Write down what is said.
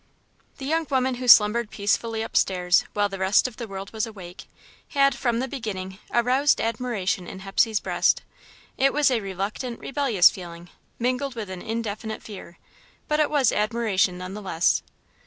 The young woman who slumbered peacefully upstairs, while the rest of the world was awake, had, from the beginning, aroused admiration in Hepsey's breast. It was a reluctant, rebellious feeling, mingled with an indefinite fear, but it was admiration none the less.